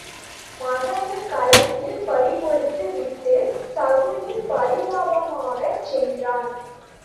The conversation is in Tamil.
மகனைக் களத்தில் பறிகொடுத்து விட்டுச் சகுனி பரிதாபமாகச் சென்றான்.